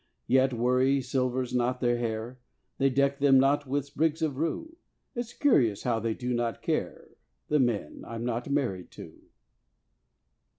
Yet worry silvers not their hair; They deck them not with sprigs of rue. It's curious how they do not care The men I am not married to.